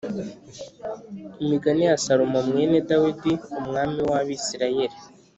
imigani ya salomo mwene dawidi, umwami w’abisirayeli